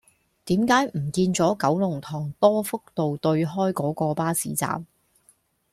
點解唔見左九龍塘多福道對開嗰個巴士站